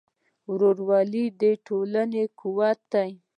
ورورولي د ټولنې قوت دی.